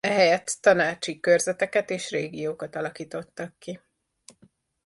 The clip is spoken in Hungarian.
Ehelyett tanácsi körzeteket és régiókat alakítottak ki.